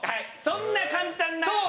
そんな簡単な。